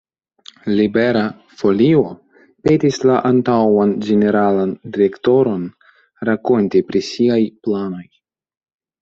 Libera Folio petis la antaŭan ĝeneralan direktoron rakonti pri siaj planoj.